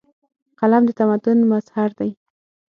قلم د تمدن مظهر دی.